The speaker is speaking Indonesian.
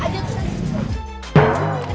ya ampun kak dinda